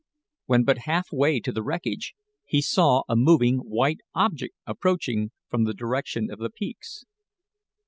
When but half way to the wreckage, he saw a moving white object approaching from the direction of the peaks.